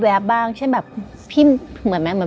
และยินดีต้อนรับทุกท่านเข้าสู่เดือนพฤษภาคมครับ